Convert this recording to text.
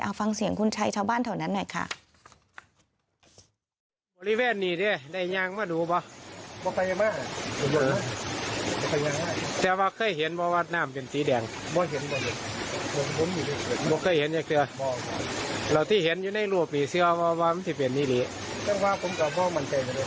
ฟังเสียงคุณชัยชาวบ้านแถวนั้นหน่อยค่ะ